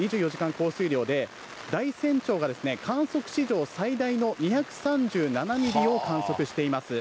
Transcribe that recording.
降水量で、だいせん町が観測史上最大の２３７ミリを観測しています。